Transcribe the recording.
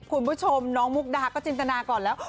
คุณผู้ชมน้องมุกดาก็จินตนาก่อนแล้ว